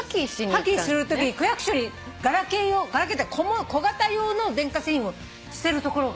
破棄するときに区役所にガラケー小型用の電化製品を捨てる所がある。